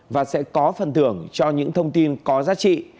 và sẽ có phần thưởng cho những thông tin có giá trị